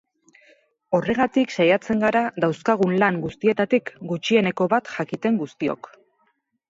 Horregatik saiatzen gara dauzkagun lan guztietatik gutxieneko bat jakiten guztiok.